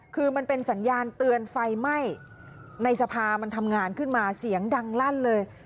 คือมันเป็นสัญญาณเตือนไฟไหม้ในสภามันทำงานขึ้นมาเสียงดังลั่นเลย